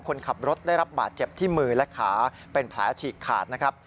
คนขับรถได้รับบาดเจ็บที่มือและขาเป็นแผลฉีกขาดนะครับ